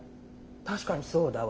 確かにそうだわ。